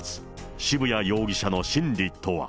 渋谷容疑者の心理とは。